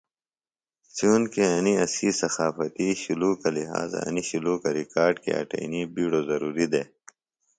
چونکیۡ انیۡ اسی تقافتی شُلوکہ لہٰذا انیۡ شُلوکہ ریکارڈ کیۡ اٹئنی بیڈوۡ ضروریۡ دےۡ